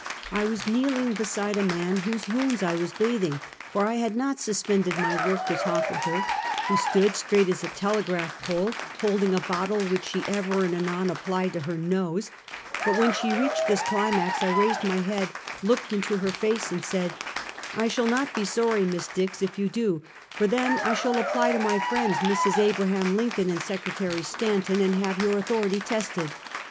I was kneeling beside a man whose wounds I was bathing; for I had not suspended my work to talk with her, who stood, straight as a telegraph pole, hold ing a bottle which she ever and anon applied to her nose; but when she reached this climax, I raised my head, looked into her face, and said: " I shall not be sorry Miss Dix, if you do; for then I shall apply to my friends, Mrs. Abraham Lincoln and Secretary Stanton, and have your authority tested."